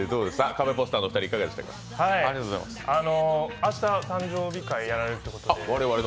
明日、誕生日会やられるということですね。